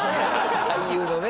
俳優のね。